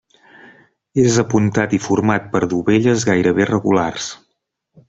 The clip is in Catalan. És apuntat i format per dovelles gairebé regulars.